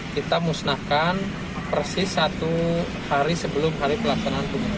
kita musnahkan persis satu hari sebelum hari pelaksanaan pemilu